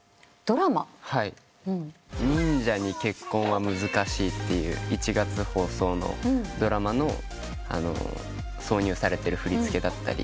『忍者に結婚は難しい』って１月放送のドラマの挿入されてる振り付けだったり。